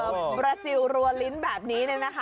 บราซิลรัวลิ้นแบบนี้เนี่ยนะคะ